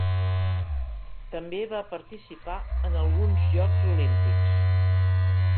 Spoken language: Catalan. També va participar en alguns Jocs Olímpics.